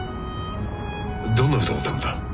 どんな歌歌うんだ？